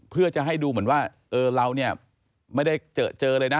เพื่อจะให้ดูเหมือนว่าเราเนี่ยไม่ได้เจอเลยนะ